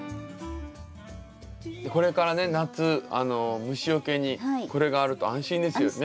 これからね夏虫よけにこれがあると安心ですよね。